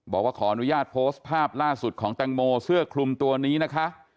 บอกว่าขออนุญาตโพสต์ภาพล่าสุดของแตงโมเสื้อคลุมตัวนี้นะคะ